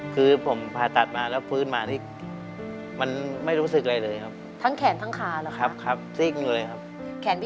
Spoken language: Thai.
ก็ประมาณ๓๐๐๐๐กว่าบาท